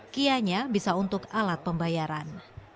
kia nya bisa untuk alat pembayaran